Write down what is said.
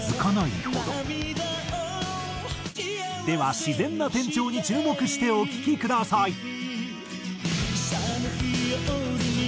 では自然な転調に注目してお聴きください。